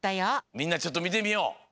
みんなちょっとみてみよう！